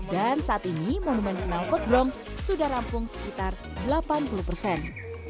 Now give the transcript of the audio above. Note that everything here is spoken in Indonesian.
dan saat ini monumen kenalpot brong sudah rampung sekitar delapan puluh persen